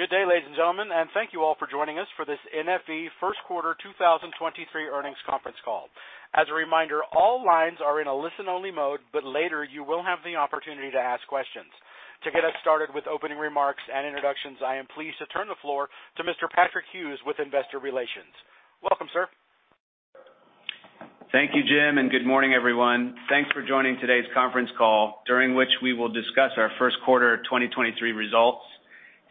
Good day, ladies and gentlemen, thank you all for joining us for this NFE First Quarter 2023 Earnings Conference Call. As a reminder, all lines are in a listen-only mode, but later you will have the opportunity to ask questions. To get us started with opening remarks and introductions, I am pleased to turn the floor to Mr. Patrick Hughes with Investor Relations. Welcome, sir. Thank you, Jim. Good morning, everyone. Thanks for joining today's conference call, during which we will discuss our first quarter 2023 results,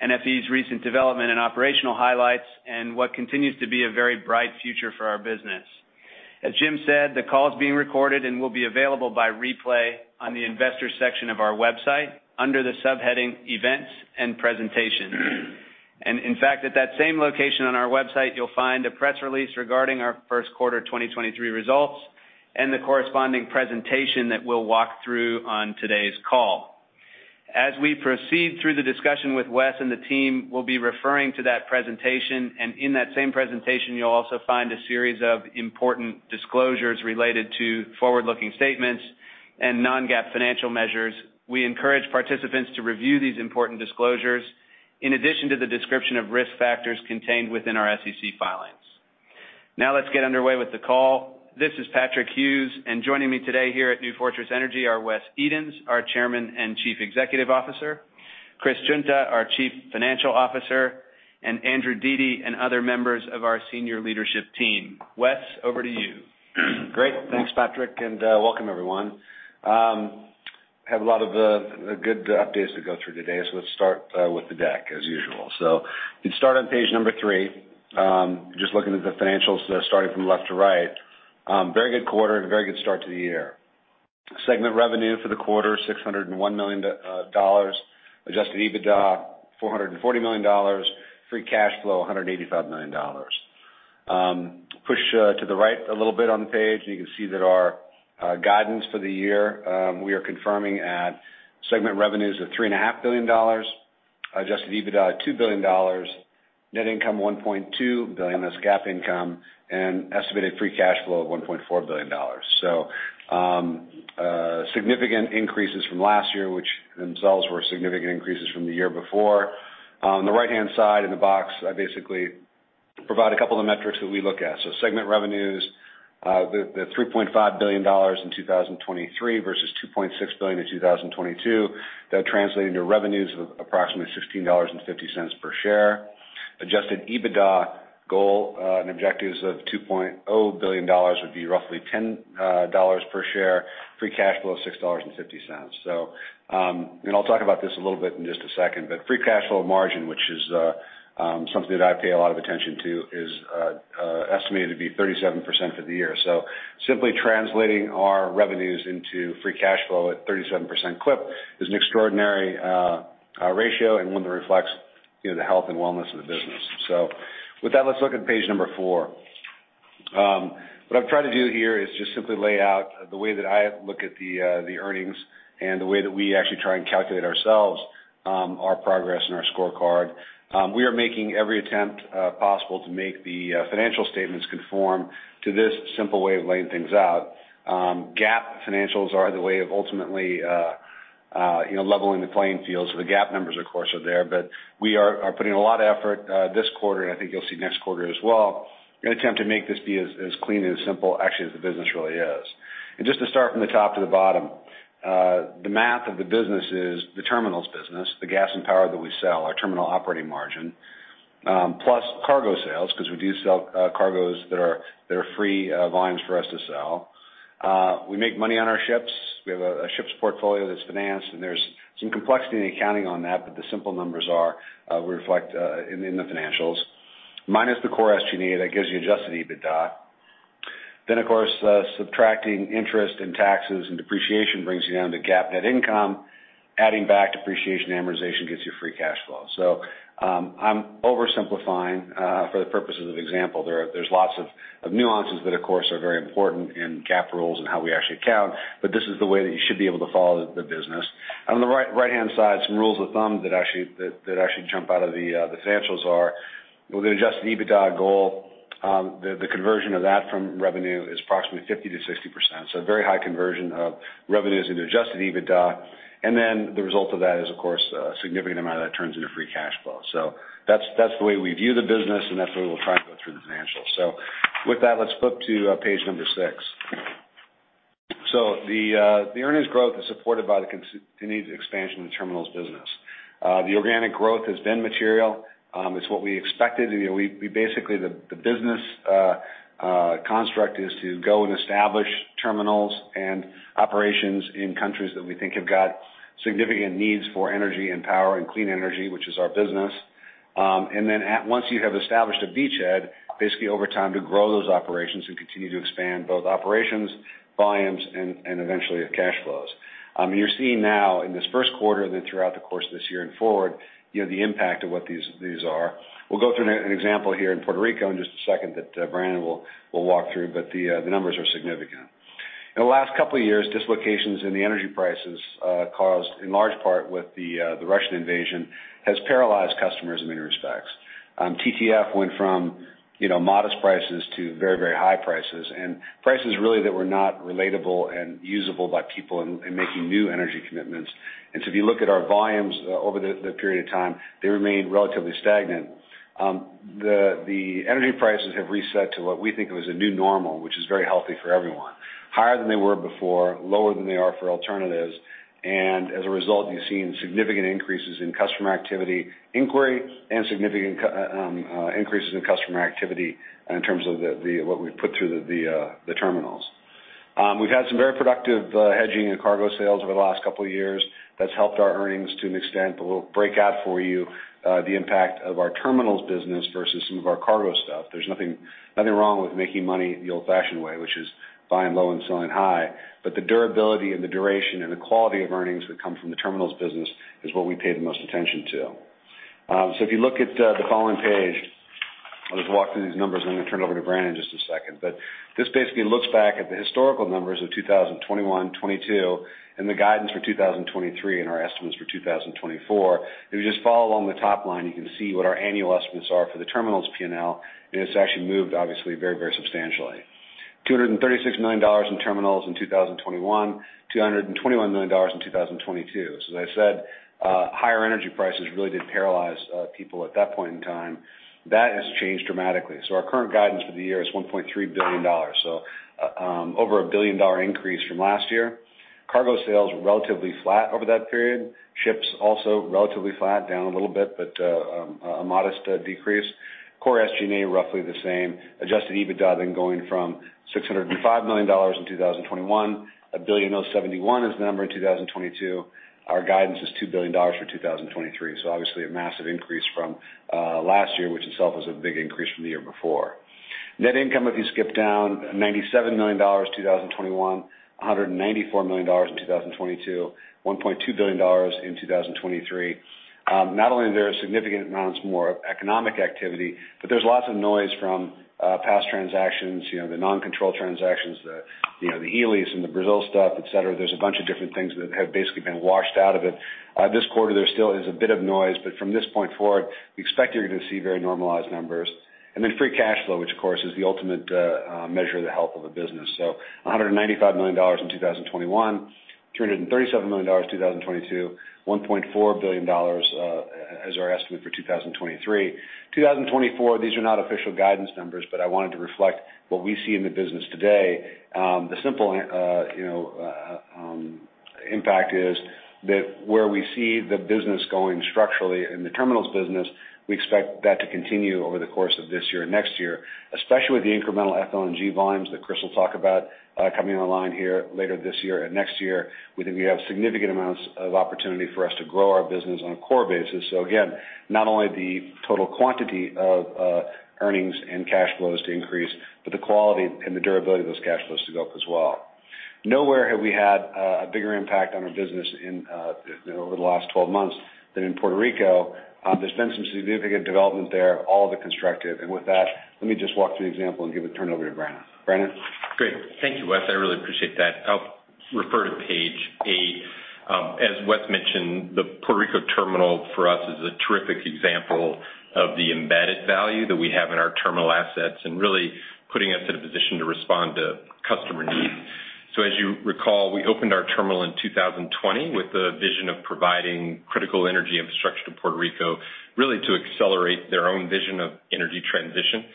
NFE's recent development and operational highlights, and what continues to be a very bright future for our business. As Jim said, the call is being recorded and will be available by replay on the investor section of our website under the subheading Events and Presentation. In fact, at that same location on our website, you'll find a press release regarding our first quarter 2023 results and the corresponding presentation that we'll walk through on today's call. As we proceed through the discussion with Wes and the team, we'll be referring to that presentation, and in that same presentation, you'll also find a series of important disclosures related to forward-looking statements and non-GAAP financial measures. We encourage participants to review these important disclosures in addition to the description of risk factors contained within our SEC filings. Let's get underway with the call. This is Patrick Hughes. Joining me today here at New Fortress Energy are Wes Edens, our Chairman and Chief Executive Officer; Christopher Guinta, our Chief Financial Officer; and Andrew Dete and other members of our senior leadership team. Wes, over to you. Great. Thanks, Patrick. Welcome everyone. Have a lot of good updates to go through today. Let's start with the deck as usual. Let's start on page number three. Just looking at the financials that are starting from left to right. Very good quarter and a very good start to the year. Segment revenue for the quarter, $601 million. Adjusted EBITDA, $440 million. Free cash flow, $185 million. Push to the right a little bit on the page, and you can see that our guidance for the year, we are confirming at segment revenues of $3.5 billion, adjusted EBITDA, $2 billion, net income, $1.2 billion, that's GAAP income, and estimated free cash flow of $1.4 billion. Significant increases from last year, which themselves were significant increases from the year before. On the right-hand side in the box, I basically provide a couple of metrics that we look at. Segment revenues, the $3.5 billion in 2023 versus $2.6 billion in 2022. That translated into revenues of approximately $16.50 per share. Adjusted EBITDA goal and objectives of $2.0 billion would be roughly $10 per share. Free cash flow of $6.50. And I'll talk about this a little bit in just a second, but free cash flow margin, which is something that I pay a lot of attention to, is estimated to be 37% for the year. Simply translating our revenues into free cash flow at 37% clip is an extraordinary ratio and one that reflects, you know, the health and wellness of the business. With that, let's look at page number four. What I've tried to do here is just simply lay out the way that I look at the earnings and the way that we actually try and calculate ourselves, our progress and our scorecard. We are making every attempt possible to make the financial statements conform to this simple way of laying things out. GAAP financials are the way of ultimately, you know, leveling the playing field. The GAAP numbers, of course, are there, but we are putting a lot of effort, this quarter, and I think you'll see next quarter as well, in an attempt to make this be as clean and as simple actually as the business really is. Just to start from the top to the bottom, the math of the business is the terminals business, the gas and power that we sell, our terminal operating margin, plus cargo sales, 'cause we do sell cargos that are, that are free volumes for us to sell. We make money on our ships. We have a ships portfolio that's financed, and there's some complexity in the accounting on that, but the simple numbers are, we reflect in the financials. Minus the core SG&A, that gives you adjusted EBITDA. Of course, subtracting interest and taxes and depreciation brings you down to GAAP net income. Adding back depreciation and amortization gets you free cash flow. I'm oversimplifying for the purposes of example. There's lots of nuances that of course are very important in GAAP rules and how we actually count, but this is the way that you should be able to follow the business. On the right-hand side, some rules of thumb that actually jump out of the financials are with an adjusted EBITDA goal, the conversion of that from revenue is approximately 50%-60%. A very high conversion of revenues into adjusted EBITDA. The result of that is, of course, a significant amount of that turns into free cash flow. That's the way we view the business, and that's the way we'll try and go through the financials. With that, let's flip to page number six. The earnings growth is supported by the continued expansion of the terminals business. The organic growth has been material. It's what we expected. You know, we basically the business construct is to go and establish terminals and operations in countries that we think have got significant needs for energy and power and clean energy, which is our business. Then once you have established a beachhead, basically over time to grow those operations and continue to expand both operations, volumes, and eventually the cash flows. You're seeing now in this first quarter and then throughout the course of this year and forward, you know, the impact of what these are. We'll go through an example here in Puerto Rico in just a second that Brandon will walk through, but the numbers are significant. In the last couple of years, dislocations in the energy prices, caused in large part with the Russian invasion, has paralyzed customers in many respects. TTF went from, you know, modest prices to very, very high prices, and prices really that were not relatable and usable by people in making new energy commitments. If you look at our volumes, over the period of time, they remain relatively stagnant. The energy prices have reset to what we think of as a new normal, which is very healthy for everyone. Higher than they were before, lower than they are for alternatives, and as a result, you've seen significant increases in customer activity inquiry and significant increases in customer activity in terms of what we've put through the terminals. We've had some very productive hedging and cargo sales over the last couple of years. That's helped our earnings to an extent, but we'll break out for you the impact of our terminals business versus some of our cargo stuff. There's nothing wrong with making money the old-fashioned way, which is buying low and selling high, but the durability and the duration and the quality of earnings that come from the terminals business is what we pay the most attention to. If you look at the following page, I'll just walk through these numbers, and I'm gonna turn it over to Brandon in just a second. This basically looks back at the historical numbers of 2021, 2022, and the guidance for 2023 and our estimates for 2024. If you just follow along the top line, you can see what our annual estimates are for the terminals P&L, and it's actually moved obviously very, very substantially. $236 million in terminals in 2021, $221 million in 2022. As I said, higher energy prices really did paralyze people at that point in time. That has changed dramatically. Our current guidance for the year is $1.3 billion, over a billion-dollar increase from last year. Cargo sales were relatively flat over that period. Ships also relatively flat, down a little bit, but a modest decrease. Core SG&A roughly the same. Adjusted EBITDA going from $605 million in 2021, $1.071 billion is the number in 2022. Our guidance is $2 billion for 2023, obviously a massive increase from last year, which itself was a big increase from the year before. Net income, if you skip down, $97 million 2021, $194 million in 2022, $1.2 billion in 2023. Not only are there significant amounts more of economic activity, but there's lots of noise from past transactions, you know, the non-control transactions, the, you know, the Hilli and the Brazil stuff, et cetera. There's a bunch of different things that have basically been washed out of it. This quarter there still is a bit of noise, but from this point forward, we expect you're gonna see very normalized numbers. Free cash flow, which of course is the ultimate measure of the health of a business. $195 million in 2021, $337 million 2022, $1.4 billion as our estimate for 2023. 2024, these are not official guidance numbers, but I wanted to reflect what we see in the business today. The simple, you know, impact is that where we see the business going structurally in the terminals business, we expect that to continue over the course of this year and next year, especially with the incremental FLNG volumes that Chris will talk about, coming online here later this year and next year. We think we have significant amounts of opportunity for us to grow our business on a core basis. Again, not only the total quantity of earnings and cash flows to increase, but the quality and the durability of those cash flows to go up as well. Nowhere have we had a bigger impact on our business in, you know, over the last 12 months than in Puerto Rico. There's been some significant development there, all of it constructive. With that, let me just walk through the example and give a turn over to Brandon. Brandon? Great. Thank you, Wes. I really appreciate that. I'll refer to page eight. As Wes mentioned, the Puerto Rico terminal for us is a terrific example of the embedded value that we have in our terminal assets and really putting us in a position to respond to customer needs. As you recall, we opened our terminal in 2020 with the vision of providing critical energy infrastructure to Puerto Rico, really to accelerate their own vision of energy transition.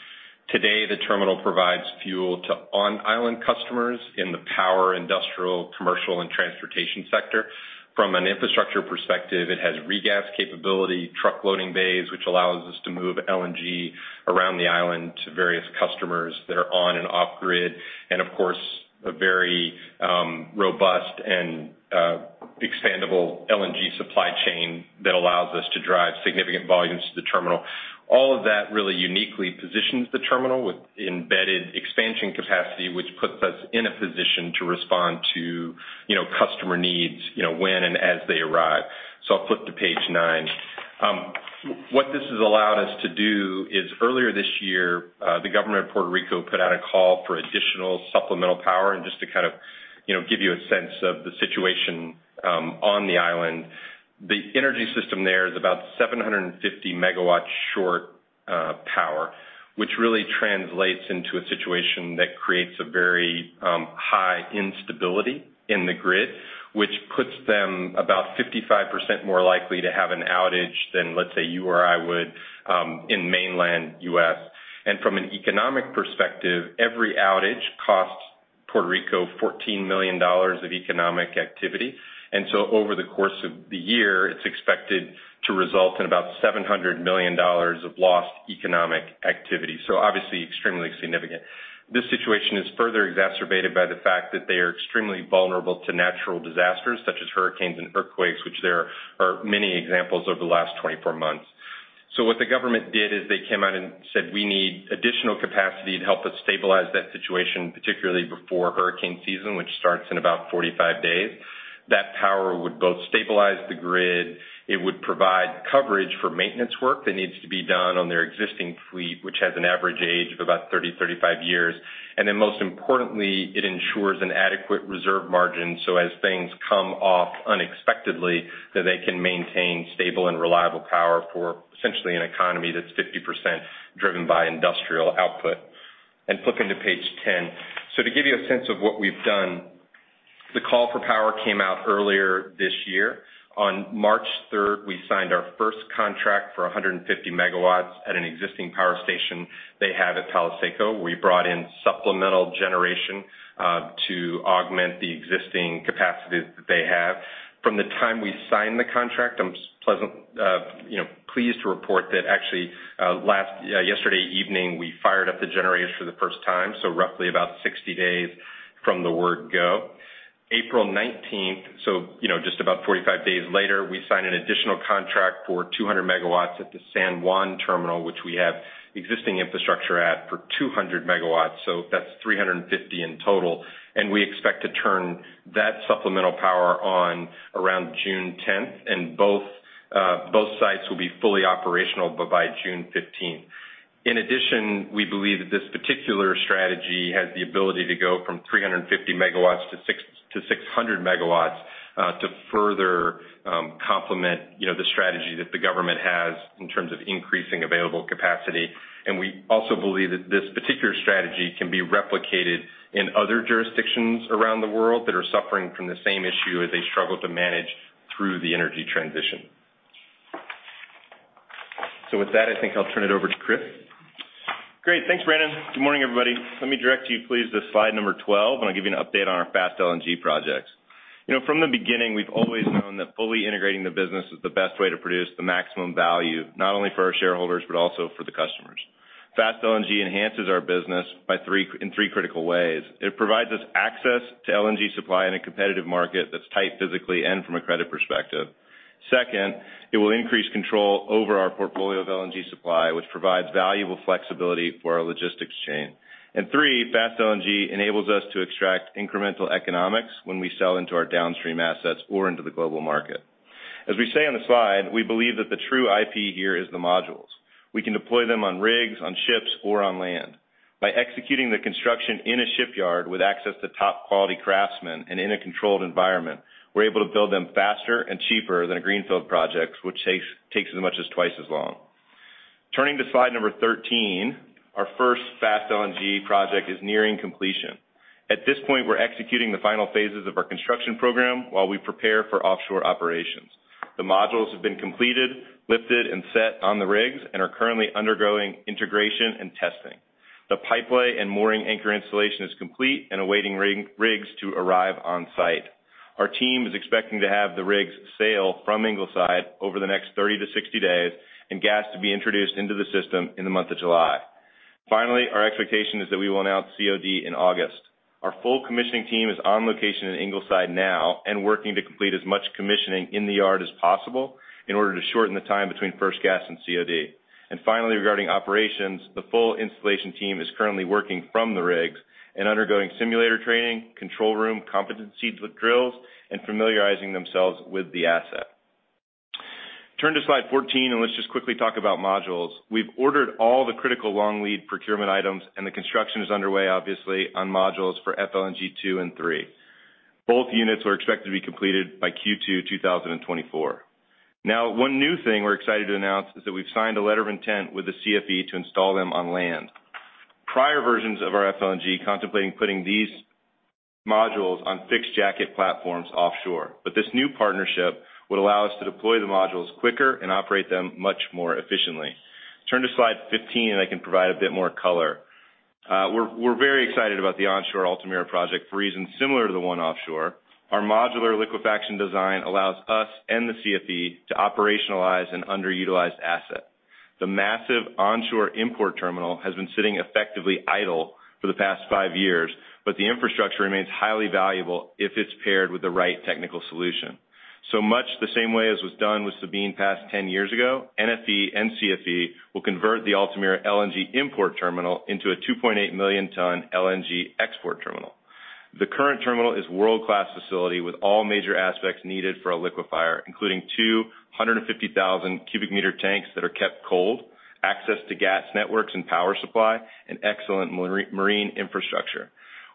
Today, the terminal provides fuel to on-island customers in the power, industrial, commercial, and transportation sector. From an infrastructure perspective, it has regas capability, truck loading bays, which allows us to move LNG around the island to various customers that are on and off grid, and of course, a very robust and expandable LNG supply chain that allows us to drive significant volumes to the terminal. All of that really uniquely positions the terminal with embedded expansion capacity, which puts us in a position to respond to, you know, customer needs, you know, when and as they arrive. I'll flip to page nine. What this has allowed us to do is earlier this year, the government of Puerto Rico put out a call for additional supplemental power. Just to kind of, you know, give you a sense of the situation, on the island, the energy system there is about 750 megawatts short power, which really translates into a situation that creates a very high instability in the grid, which puts them about 55% more likely to have an outage than, let's say, you or I would, in mainland U.S. From an economic perspective, every outage costs Puerto Rico $14 million of economic activity. Over the course of the year, it's expected to result in about $700 million of lost economic activity, so obviously extremely significant. This situation is further exacerbated by the fact that they are extremely vulnerable to natural disasters such as hurricanes and earthquakes, which there are many examples over the last 24 months. What the government did is they came out and said, "We need additional capacity to help us stabilize that situation, particularly before hurricane season," which starts in about 45 days. That power would both stabilize the grid, it would provide coverage for maintenance work that needs to be done on their existing fleet, which has an average age of about 30-35 years. Most importantly, it ensures an adequate reserve margin so as things come off unexpectedly, that they can maintain stable and reliable power for essentially an economy that's 50% driven by industrial output. Flip into page 10. To give you a sense of what we've done, the call for power came out earlier this year. On March 3rd, we signed our first contract for 150 megawatts at an existing power station they have at Palo Seco, where we brought in supplemental generation to augment the existing capacity that they have. From the time we signed the contract, I'm, you know, pleased to report that actually, yesterday evening, we fired up the generators for the first time, so roughly about 60 days from the word go. April 19th, you know, just about 45 days later, we signed an additional contract for 200MW at the San Juan terminal, which we have existing infrastructure at, for 200MW. That's 350 in total. We expect to turn that supplemental power on around June 10th. Both sites will be fully operational by June 15th. In addition, we believe that this particular strategy has the ability to go from 350MW-600MW to further complement, you know, the strategy that the government has in terms of increasing available capacity. We also believe that this particular strategy can be replicated in other jurisdictions around the world that are suffering from the same issue as they struggle to manage through the energy transition. With that, I think I'll turn it over to Chris. Great. Thanks, Brandon. Good morning, everybody. Let me direct you please to slide number 12. I'll give you an update on our Fast LNG projects. You know, from the beginning, we've always known that fully integrating the business is the best way to produce the maximum value, not only for our shareholders, but also for the customers. Fast LNG enhances our business in three critical ways. It provides us access to LNG supply in a competitive market that's tight physically and from a credit perspective. Second, it will increase control over our portfolio of LNG supply, which provides valuable flexibility for our logistics chain. Three, Fast LNG enables us to extract incremental economics when we sell into our downstream assets or into the global market. As we say on the slide, we believe that the true IP here is the modules. We can deploy them on rigs, on ships, or on land. By executing the construction in a shipyard with access to top-quality craftsmen and in a controlled environment, we're able to build them faster and cheaper than greenfield projects, which takes as much as twice as long. Turning to slide number 13, our first Fast LNG project is nearing completion. At this point, we're executing the final phases of our construction program while we prepare for offshore operations. The modules have been completed, lifted, and set on the rigs and are currently undergoing integration and testing. The pipelay and mooring anchor installation is complete and awaiting rigs to arrive on-site. Our team is expecting to have the rigs sail from Ingleside over the next 30 to 60 days and gas to be introduced into the system in the month of July. Finally, our expectation is that we will announce COD in August. Our full commissioning team is on location in Ingleside now and working to complete as much commissioning in the yard as possible in order to shorten the time between first gas and COD. Finally, regarding operations, the full installation team is currently working from the rigs and undergoing simulator training, control room competencies with drills, and familiarizing themselves with the asset. Turn to slide 14 and let's just quickly talk about modules. We've ordered all the critical long-lead procurement items, and the construction is underway, obviously, on modules for FLNG two and three. Both units are expected to be completed by Q2 2024. Now, one new thing we're excited to announce is that we've signed a letter of intent with the CFE to install them on land. Prior versions of our FLNG contemplating putting these modules on fixed-jacket platforms offshore. This new partnership would allow us to deploy the modules quicker and operate them much more efficiently. Turn to slide 15, and I can provide a bit more color. We're very excited about the onshore Altamira project for reasons similar to the one offshore. Our modular liquefaction design allows us and the CFE to operationalize an underutilized asset. The massive onshore import terminal has been sitting effectively idle for the past five years, but the infrastructure remains highly valuable if it's paired with the right technical solution. Much the same way as was done with Sabine Pass 10 years ago, NFE and CFE will convert the Altamira LNG import terminal into a 2.8 million ton LNG export terminal. The current terminal is a world-class facility with all major aspects needed for a liquefier, including 250,000 cubic meter tanks that are kept cold, access to gas networks and power supply, and excellent marine infrastructure.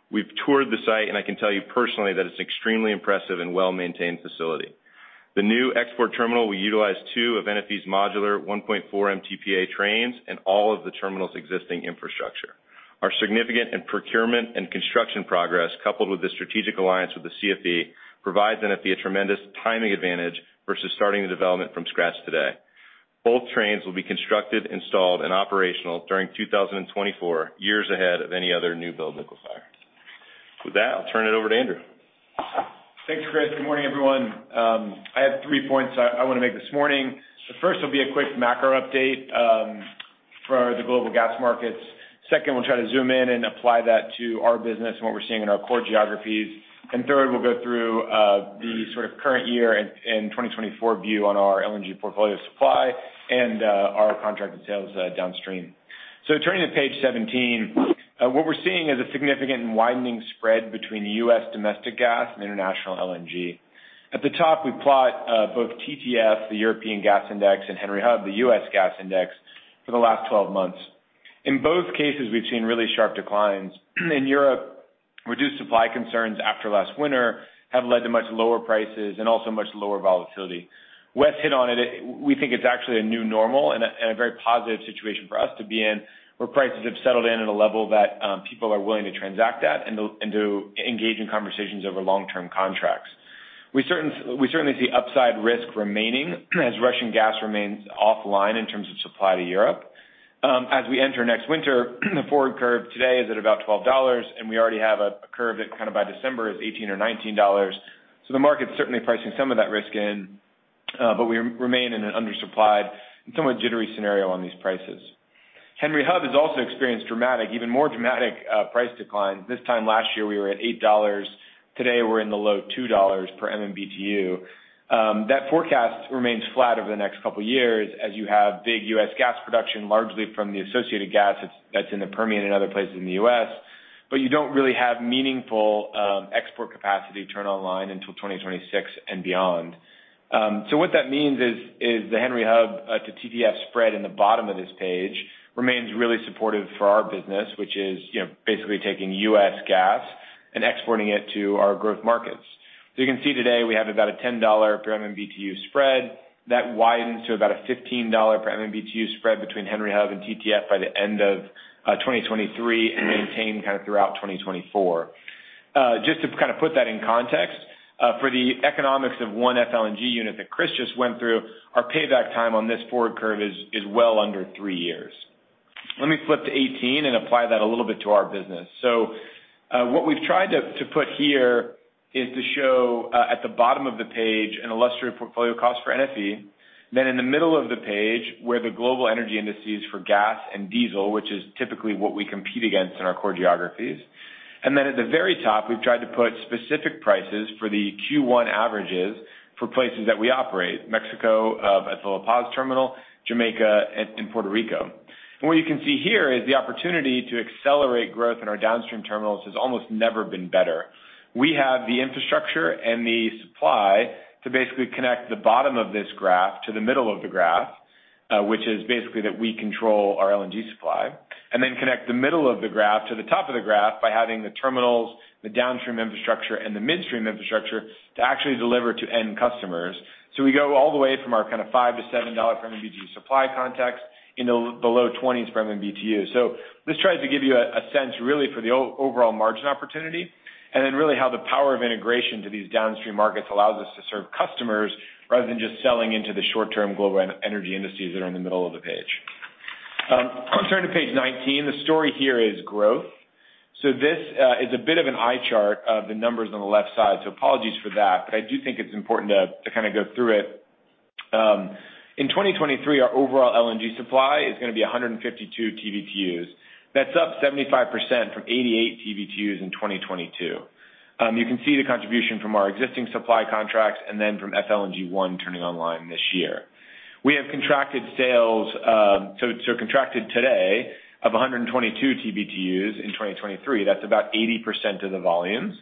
We've toured the site. I can tell you personally that it's an extremely impressive and well-maintained facility. The new export terminal will utilize two of NFE's modular 1.4 MTPA trains and all of the terminal's existing infrastructure. Our significant and procurement and construction progress, coupled with the strategic alliance with the CFE, provides NFE a tremendous timing advantage versus starting the development from scratch today. Both trains will be constructed, installed, and operational during 2024, years ahead of any other new-build liquefier. With that, I'll turn it over to Andrew. Thanks, Chris. Good morning, everyone. I have three points I wanna make this morning. The first will be a quick macro update for the global gas markets. Second, we'll try to zoom in and apply that to our business and what we're seeing in our core geographies. Third, we'll go through the sort of current year and 2024 view on our LNG portfolio supply and our contracted sales downstream. Turning to page 17, what we're seeing is a significant and widening spread between the U.S. domestic gas and international LNG. At the top, we plot both TTF, the European Gas Index, and Henry Hub, the U.S. Gas Index, for the last 12 months. In both cases, we've seen really sharp declines. In Europe- Reduced supply concerns after last winter have led to much lower prices and also much lower volatility. Wes hit on it. We think it's actually a new normal and a very positive situation for us to be in, where prices have settled in at a level that people are willing to transact at and to engage in conversations over long-term contracts. We certainly see upside risk remaining as Russian gas remains offline in terms of supply to Europe. As we enter next winter, the forward curve today is at about $12. We already have a curve that kind of by December is $18 or $19. The market's certainly pricing some of that risk in, but we remain in an undersupplied and somewhat jittery scenario on these prices. Henry Hub has also experienced dramatic, even more dramatic, price declines. This time last year, we were at $8. Today, we're in the low $2 per MMBtu. That forecast remains flat over the next couple years as you have big U.S. gas production, largely from the associated gas that's in the Permian and other places in the U.S., but you don't really have meaningful export capacity turn online until 2026 and beyond. What that means is the Henry Hub to TTF spread in the bottom of this page remains really supportive for our business, which is, you know, basically taking U.S. gas and exporting it to our growth markets. You can see today we have about a $10 per MMBtu spread. That widens to about a $15 per MMBtu spread between Henry Hub and TTF by the end of 2023 and maintained kind of throughout 2024. Just to kind of put that in context, for the economics of one FLNG unit that Chris just went through, our payback time on this forward curve is well under three years. Let me flip to 18 and apply that a little bit to our business. What we've tried to put here is to show at the bottom of the page an illustrative portfolio cost for NFE. In the middle of the page, where the global energy indices for gas and diesel, which is typically what we compete against in our core geographies. At the very top, we've tried to put specific prices for the Q1 averages for places that we operate, Mexico, at the La Paz terminal, Jamaica, and Puerto Rico. What you can see here is the opportunity to accelerate growth in our downstream terminals has almost never been better. We have the infrastructure and the supply to basically connect the bottom of this graph to the middle of the graph, which is basically that we control our LNG supply, and then connect the middle of the graph to the top of the graph by having the terminals, the downstream infrastructure, and the midstream infrastructure to actually deliver to end customers. We go all the way from our kind of $5-$7 per MMBtu supply context into the low $20s per MMBtu. This tries to give you a sense really for the overall margin opportunity, and then really how the power of integration to these downstream markets allows us to serve customers rather than just selling into the short-term global energy industries that are in the middle of the page. I'll turn to page 19. The story here is growth. This is a bit of an eye chart of the numbers on the left side, so apologies for that, but I do think it's important to kind of go through it. In 2023, our overall LNG supply is gonna be 152 TBtu. That's up 75% from 88 TBtu in 2022. You can see the contribution from our existing supply contracts and then from FLNG one turning online this year. We have contracted sales, so contracted today of 122 TBtu in 2023. That's about 80% of the volumes.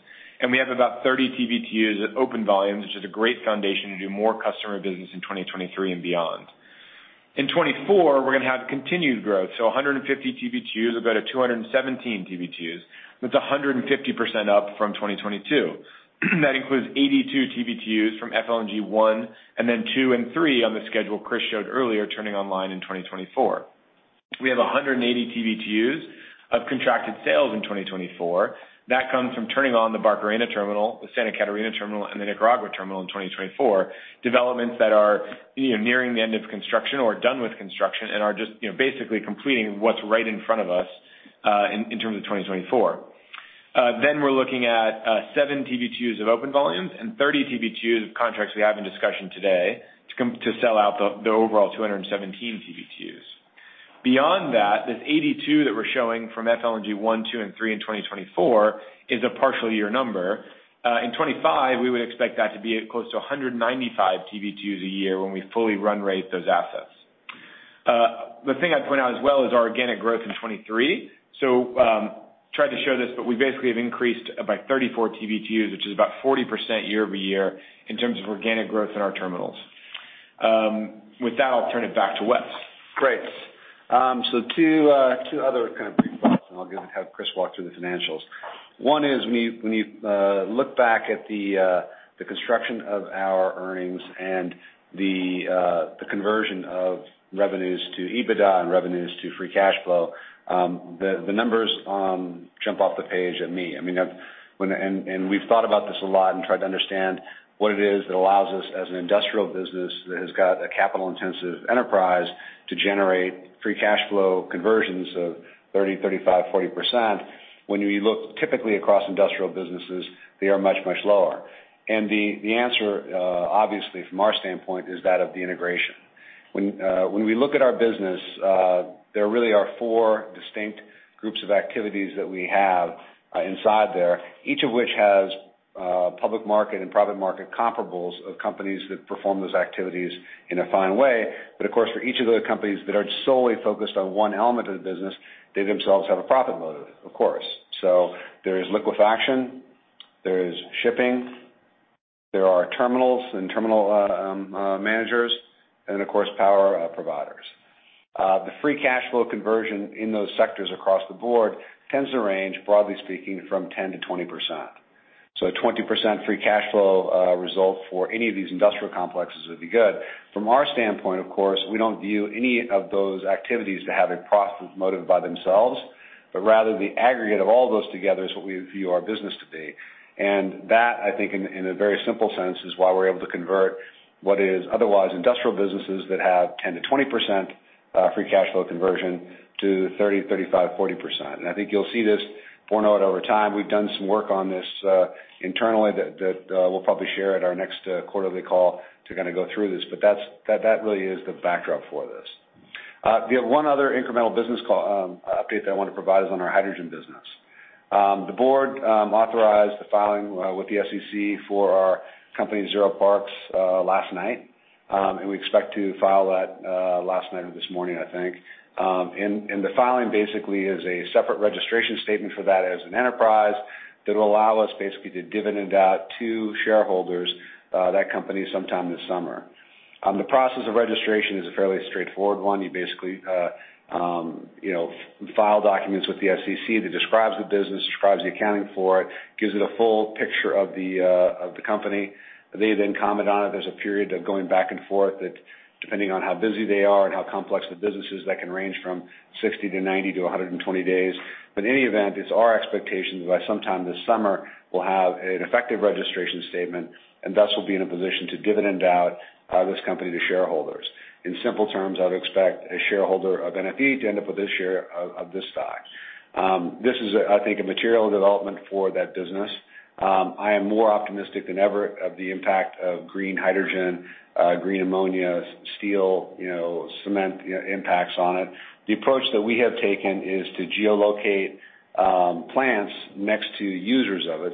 We have about 30 TBtu at open volumes, which is a great foundation to do more customer business in 2023 and beyond. In 2024, we're gonna have continued growth, so 150 TBtu or go to 217 TBtu. That's 150% up from 2022. That includes 82 TBtu from FLNG one and then two and three on the schedule Chris showed earlier, turning online in 2024. We have 180 TBtu of contracted sales in 2024. That comes from turning on the Barcarena terminal, the Santa Catarina terminal, and the Nicaragua terminal in 2024, developments that are, you know, nearing the end of construction or done with construction and are just, you know, basically completing what's right in front of us, in terms of 2024. We're looking at seven TBtu of open volumes and 30 TBtu of contracts we have in discussion today to sell out the overall 217 TBtu. Beyond that, this 82 that we're showing from FLNG one, two, and three in 2024 is a partial year number. In 2025, we would expect that to be close to 195 TBtu a year when we fully run rate those assets. The thing I'd point out as well is our organic growth in 2023. Tried to show this, but we basically have increased by 34 TBtu, which is about 40% year-over-year in terms of organic growth in our terminals. With that, I'll turn it back to Wes. Great. Two other kind of quick thoughts, and I'll have Chris walk through the financials. One is when you look back at the construction of our earnings and the conversion of revenues to EBITDA and revenues to free cash flow, the numbers jump off the page at me. I mean, we've thought about this a lot and tried to understand what it is that allows us as an industrial business that has got a capital-intensive enterprise to generate free cash flow conversions of 30%, 35%, 40%. When you look typically across industrial businesses, they are much, much lower. The answer, obviously from our standpoint, is that of the integration. When we look at our business, there really are 4 distinct groups of activities that we have inside there, each of which has public market and private market comparables of companies that perform those activities in a fine way. Of course, for each of the companies that are solely focused on one element of the business, they themselves have a profit motive, of course. There is liquefaction-Shipping. There are terminals and terminal managers and of course, power providers. The free cash flow conversion in those sectors across the board tends to range, broadly speaking, from 10%-20%. A 20% free cash flow result for any of these industrial complexes would be good. From our standpoint, of course, we don't view any of those activities to have a profit motive by themselves, but rather the aggregate of all those together is what we view our business to be. That, I think in a very simple sense, is why we're able to convert what is otherwise industrial businesses that have 10%-20% free cash flow conversion to 30%, 35%, 40%. I think you'll see this borne out over time. We've done some work on this internally that we'll probably share at our next quarterly call to kinda go through this, but that really is the backdrop for this. The one other incremental business call update that I want to provide is on our hydrogen business. The board authorized the filing with the SEC for our company ZeroParks last night. We expect to file that last night or this morning, I think. The filing basically is a separate registration statement for that as an enterprise that will allow us basically to dividend out to shareholders that company sometime this summer. The process of registration is a fairly straightforward one. You basically, you know, file documents with the SEC that describes the business, describes the accounting for it, gives it a full picture of the company. They then comment on it. There's a period of going back and forth that depending on how busy they are and how complex the business is, that can range from 60 to 90 to 120 days. In any event, it's our expectation that by sometime this summer, we'll have an effective registration statement and thus will be in a position to dividend out this company to shareholders. In simple terms, I would expect a shareholder of NFE to end up with a share of this stock. This is, I think, a material development for that business. I am more optimistic than ever of the impact of green hydrogen, green ammonia, steel, you know, cement, you know, impacts on it. The approach that we have taken is to geolocate plants next to users of it.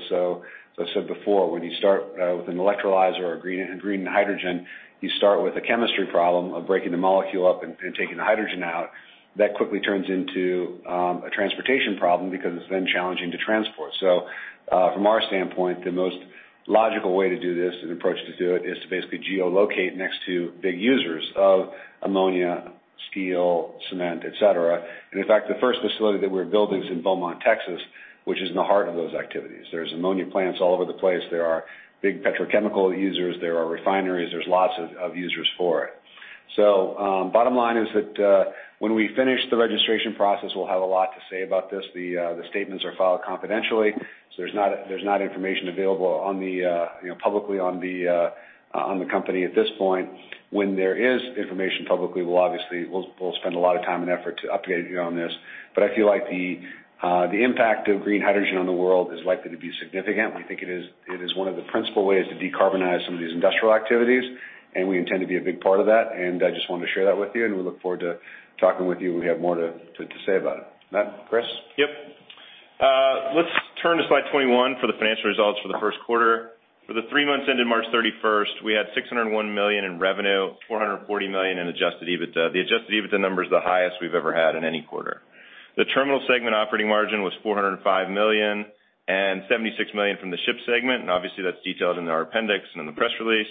As I said before, when you start with an electrolyzer or green hydrogen, you start with a chemistry problem of breaking the molecule up and taking the hydrogen out. That quickly turns into a transportation problem because it's then challenging to transport. From our standpoint, the most logical way to do this and approach to do it is to basically geolocate next to big users of ammonia, steel, cement, et cetera. In fact, the first facility that we're building is in Beaumont, Texas, which is in the heart of those activities. There's ammonia plants all over the place. There are big petrochemical users. There are refineries. There's lots of users for it. Bottom line is that when we finish the registration process, we'll have a lot to say about this. The statements are filed confidentially, so there's not information available on the, you know, publicly on the company at this point. When there is information publicly, we'll obviously spend a lot of time and effort to update you on this. I feel like the impact of green hydrogen on the world is likely to be significant. We think it is one of the principal ways to decarbonize some of these industrial activities, and we intend to be a big part of that. I just wanted to share that with you, and we look forward to talking with you when we have more to say about it. Matt? Chris? Yep. Let's turn to slide 21 for the financial results for the first quarter. For the three months ending March 31st, we had $601 million in revenue, $440 million in adjusted EBITDA. The adjusted EBITDA number is the highest we've ever had in any quarter. The terminal segment operating margin was $405 million and $76 million from the ship segment. Obviously, that's detailed in our appendix and in the press release.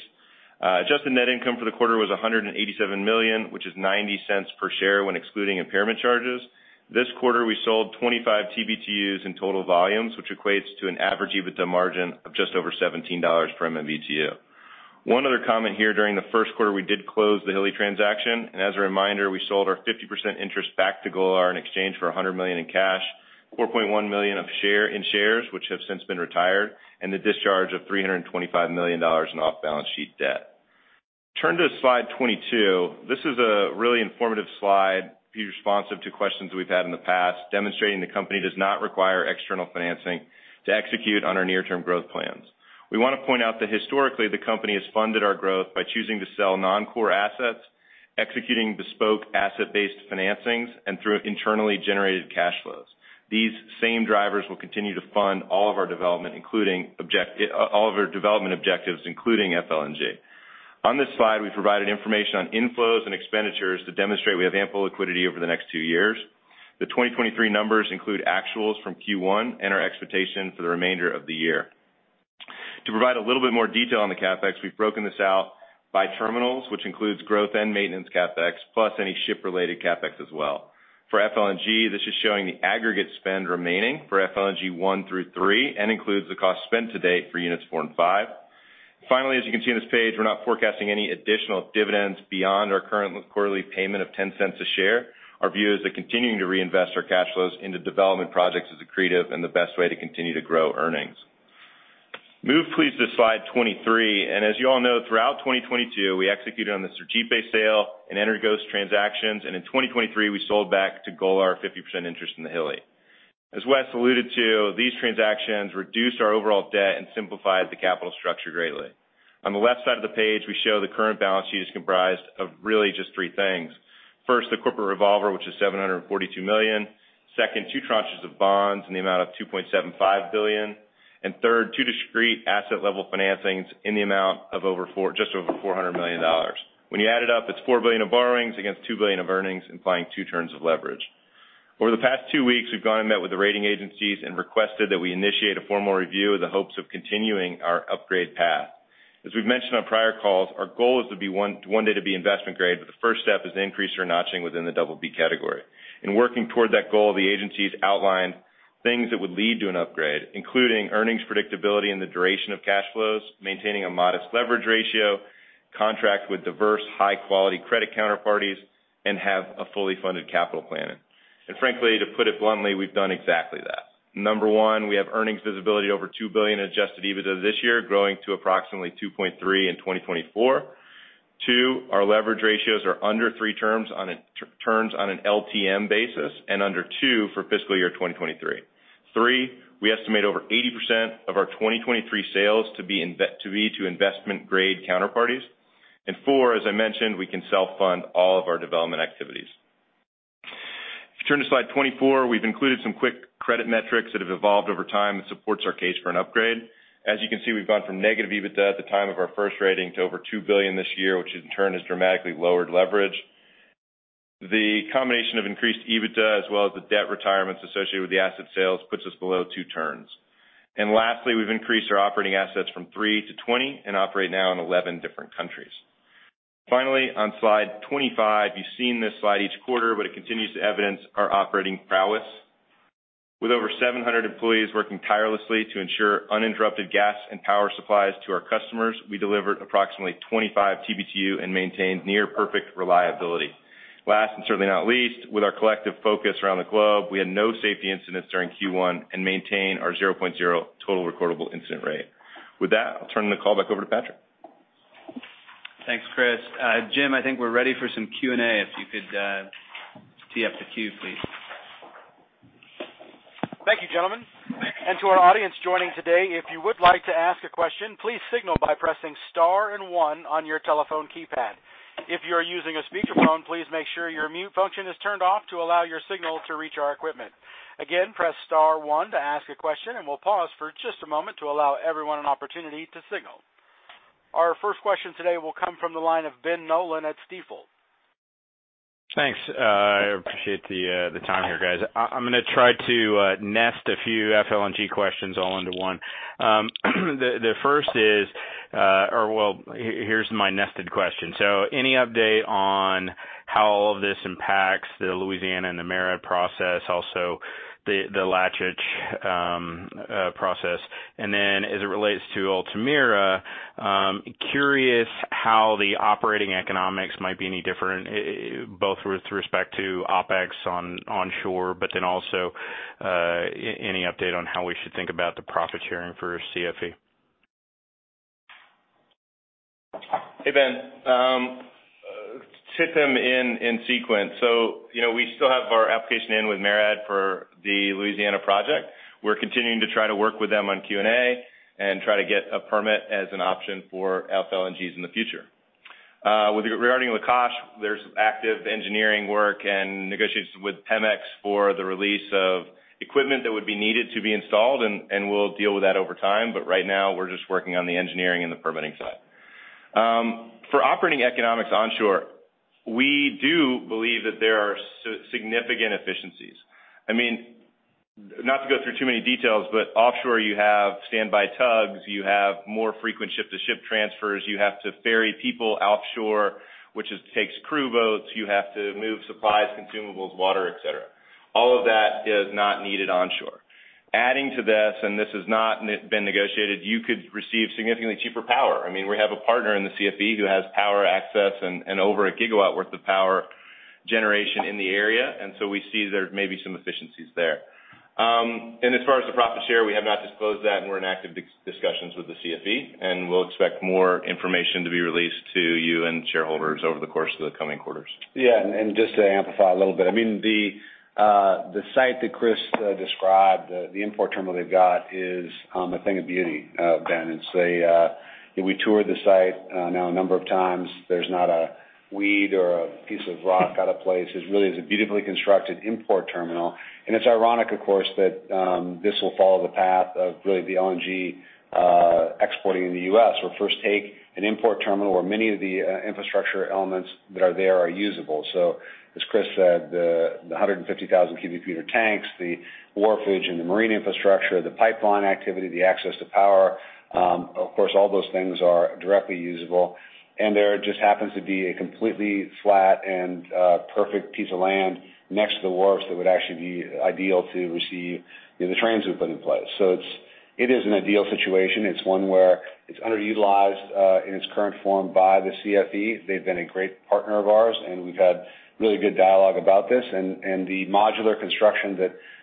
Adjusted net income for the quarter was $187 million, which is $0.90 per share when excluding impairment charges. This quarter, we sold 25 TBtus in total volumes, which equates to an average EBITDA margin of just over $17 per MMBtu. One other comment here, during the first quarter, we did close the Hilli transaction. As a reminder, we sold our 50% interest back to Golar in exchange for $100 million in cash, 4.1 million in shares which have since been retired, and the discharge of $325 million in off-balance sheet debt. Turn to slide 22. This is a really informative slide, to be responsive to questions we've had in the past, demonstrating the company does not require external financing to execute on our near-term growth plans. We wanna point out that historically, the company has funded our growth by choosing to sell non-core assets, executing bespoke asset-based financings, and through internally generated cash flows. These same drivers will continue to fund all of our development objectives, including FLNG. On this slide, we've provided information on inflows and expenditures to demonstrate we have ample liquidity over the next two years. The 2023 numbers include actuals from Q1 and our expectation for the remainder of the year. To provide a little bit more detail on the CapEx, we've broken this out by terminals, which includes growth and maintenance CapEx, plus any ship-related CapEx as well. For FLNG, this is showing the aggregate spend remaining for FLNG one through three and includes the cost spent to date for units four and five. Finally, as you can see on this page, we're not forecasting any additional dividends beyond our current quarterly payment of $0.10 a share. Our view is that continuing to reinvest our cash flows into development projects is accretive and the best way to continue to grow earnings. Move please to slide 23. As you all know, throughout 2022, we executed on the Sergipe sale and Energos transactions, in 2023, we sold back to Golar our 50% interest in the Hilli. As Wes alluded to, these transactions reduced our overall debt and simplified the capital structure greatly. On the left side of the page, we show the current balance sheet is comprised of really just three things. First, the corporate revolver, which is $742 million. Second, two tranches of bonds in the amount of $2.75 billion. Third, two discrete asset-level financings in the amount of just over $400 million. When you add it up, it's $4 billion of borrowings against $2 billion of earnings, implying two turns of leverage. Over the past two weeks, we've gone and met with the rating agencies and requested that we initiate a formal review in the hopes of continuing our upgrade path. As we've mentioned on prior calls, our goal is to one day to be investment grade, the first step is to increase our notching within the BB category. In working toward that goal, the agencies outlined things that would lead to an upgrade, including earnings predictability and the duration of cash flows, maintaining a modest leverage ratio, contract with diverse high-quality credit counterparties, and have a fully funded capital planning. Frankly, to put it bluntly, we've done exactly that. Number one, we have earnings visibility over $2 billion adjusted EBITDA this year, growing to approximately $2.3 billion in 2024. Two, our leverage ratios are under three turns on an LTM basis and under two for fiscal year 2023. Three, we estimate over 80% of our 2023 sales to be to investment-grade counterparties. Four, as I mentioned, we can self-fund all of our development activities. If you turn to slide 24, we've included some quick credit metrics that have evolved over time that supports our case for an upgrade. As you can see, we've gone from negative EBITDA at the time of our first rating to over $2 billion this year, which in turn has dramatically lowered leverage. The combination of increased EBITDA as well as the debt retirements associated with the asset sales puts us below two turns. Lastly, we've increased our operating assets from three-20 and operate now in 11 different countries. Finally, on slide 25, you've seen this slide each quarter, but it continues to evidence our operating prowess. With over 700 employees working tirelessly to ensure uninterrupted gas and power supplies to our customers, we delivered approximately 25 TBtu and maintained near perfect reliability. Last and certainly not least, with our collective focus around the globe, we had no safety incidents during Q1 and maintain our 0.0 total recordable incident rate. With that, I'll turn the call back over to Patrick. Thanks, Chris. Jim, I think we're ready for some Q&A. If you could, tee up the queue, please. Thank you, gentlemen. To our audience joining today, if you would like to ask a question, please signal by pressing star and one on your telephone keypad. If you are using a speakerphone, please make sure your mute function is turned off to allow your signal to reach our equipment. Again, press star one to ask a question. We'll pause for just a moment to allow everyone an opportunity to signal. Our first question today will come from the line of Ben Nolan at Stifel. Thanks. I appreciate the time here, guys. I'm gonna try to nest a few FLNG questions all into one. The first is, or, well, here's my nested question. Any update on how all of this impacts the Louisiana and the MARAD process, also the Lakach process? As it relates to Altamira, curious how the operating economics might be any different, both with respect to OpEx on onshore, but then also, any update on how we should think about the profit sharing for CFE? Hey, Ben. You know, we still have our application in with MARAD for the Louisiana project. We're continuing to try to work with them on Q&A and try to get a permit as an option for FLNGs in the future. Regarding Lakach, there's active engineering work and negotiations with Pemex for the release of equipment that would be needed to be installed, and we'll deal with that over time. Right now, we're just working on the engineering and the permitting side. For operating economics onshore, we do believe that there are significant efficiencies. I mean, not to go through too many details, but offshore, you have standby tugs, you have more frequent ship-to-ship transfers, you have to ferry people offshore, takes crew boats. You have to move supplies, consumables, water, et cetera. All of that is not needed onshore. Adding to this, and this has not been negotiated, you could receive significantly cheaper power. I mean, we have a partner in the CFE who has power access and over a gigawatt worth of power generation in the area. So we see there may be some efficiencies there. As far as the profit share, we have not disclosed that, and we're in active discussions with the CFE, and we'll expect more information to be released to you and shareholders over the course of the coming quarters. Yeah, just to amplify a little bit. I mean, the site that Chris described, the import terminal they've got is a thing of beauty, Ben. We toured the site now a number of times. There's not a weed or a piece of rock out of place. It really is a beautifully constructed import terminal. It's ironic, of course, that this will follow the path of really the LNG exporting in the U.S. We'll first take an import terminal where many of the infrastructure elements that are there are usable. As Chris said, the 150,000 cubic meter tanks, the wharfage and the marine infrastructure, the pipeline activity, the access to power, of course, all those things are directly usable. There just happens to be a completely flat and perfect piece of land next to the wharfs that would actually be ideal to receive the trains we've put in place. It is an ideal situation. It's one where it's underutilized in its current form by the CFE. They've been a great partner of ours, and we've had really good dialogue about this. The modular construction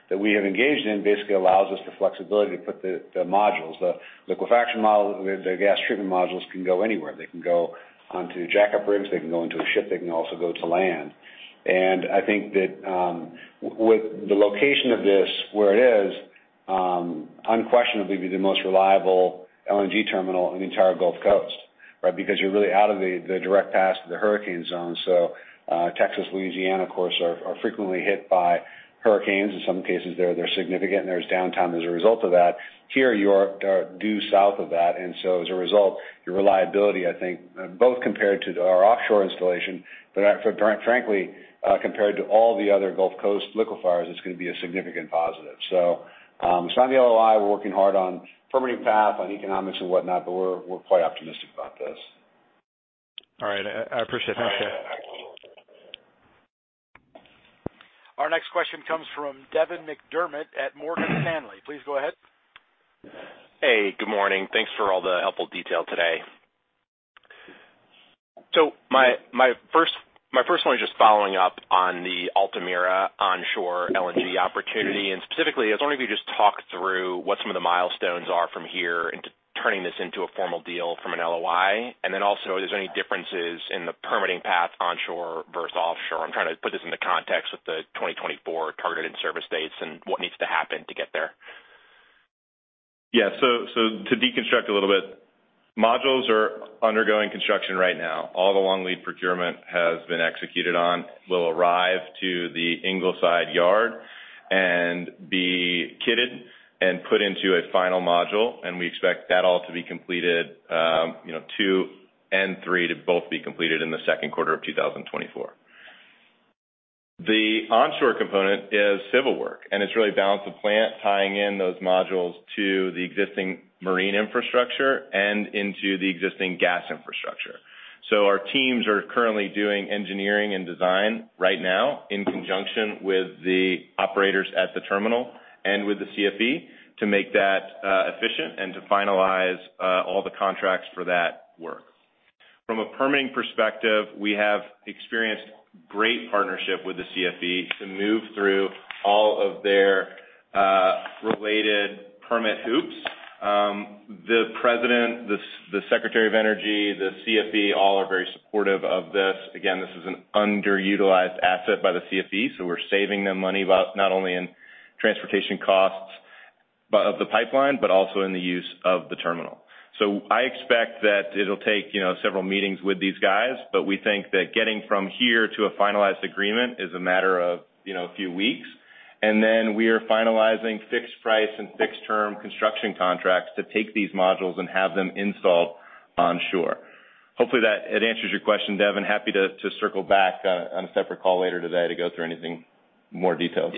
that we have engaged in basically allows us the flexibility to put the modules. The liquefaction module, the gas treatment modules can go anywhere. They can go onto jackup rigs, they can go into a ship, they can also go to land. I think that, with the location of this where it is, unquestionably be the most reliable LNG terminal in the entire Gulf Coast. Because you're really out of the direct path to the hurricane zone. Texas, Louisiana, of course, are frequently hit by hurricanes. In some cases, they're significant, there's downtime as a result of that. Here, you are due south of that. As a result, your reliability, I think, both compared to our offshore installation, but frankly, compared to all the other Gulf Coast liquefiers, it's gonna be a significant positive. We signed the LOI. We're working hard on permitting path, on economics and whatnot, but we're quite optimistic about this. All right. I appreciate it. Thanks, Jeff. Our next question comes from Devin McDermott at Morgan Stanley. Please go ahead. Hey, good morning. Thanks for all the helpful detail today. My first one is just following up on the Altamira onshore LNG opportunity. Specifically, I was wondering if you could just talk through what some of the milestones are from here into turning this into a formal deal from an LOI. Also, if there's any differences in the permitting path onshore versus offshore. I'm trying to put this into context with the 2024 targeted service dates and what needs to happen to get there. So, so to deconstruct a little bit, modules are undergoing construction right now. All the long lead procurement has been executed on, will arrive to the Ingleside yard and be kitted and put into a final module. We expect that all to be completed, you know, two and three to both be completed in the second quarter of 2024. The onshore component is civil work, and it's really balance of plant tying in those modules to the existing marine infrastructure and into the existing gas infrastructure. Our teams are currently doing engineering and design right now in conjunction with the operators at the terminal and with the CFE to make that efficient and to finalize all the contracts for that work. From a permitting perspective, we have experienced great partnership with the CFE to move through all of their related permit hoops. The President, the Secretary of Energy, the CFE, all are very supportive of this. Again, this is an underutilized asset by the CFE, so we're saving them money not only in transportation costs of the pipeline, but also in the use of the terminal. I expect that it'll take, you know, several meetings with these guys, but we think that getting from here to a finalized agreement is a matter of, you know, a few weeks. Then we are finalizing fixed price and fixed-term construction contracts to take these modules and have them installed onshore. Hopefully, it answers your question, Devin. Happy to circle back on a separate call later today to go through anything more detailed.